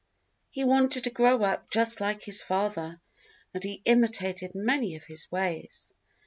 He wanted to grow up just like his father, and he imitated many of his ways.